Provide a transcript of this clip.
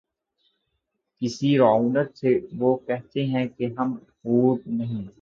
کس رعونت سے وہ کہتے ہیں کہ ’’ ہم حور نہیں ‘‘